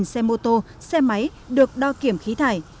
một xe mô tô xe máy được đo kiểm khí thải